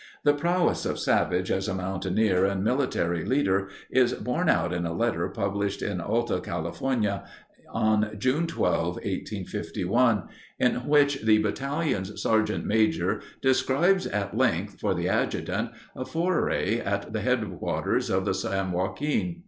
The prowess of Savage as a mountaineer and military leader is borne out in a letter, published in Alta California on June 12, 1851, in which the battalion's sergeant major describes at length for the adjutant a foray at the headwaters of the San Joaquin